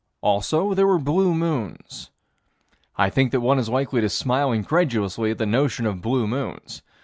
Also there were blue moons. I think that one is likely to smile incredulously at the notion of blue moons.